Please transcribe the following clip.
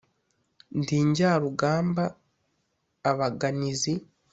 Ndi Njyarugamba abaganizi